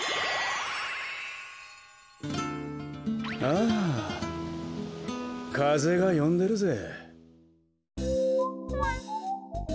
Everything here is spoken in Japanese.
あぁかぜがよんでるぜ。